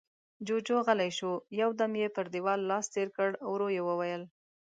جُوجُو غلی شو، يو دم يې پر دېوال لاس تېر کړ، ورو يې وويل: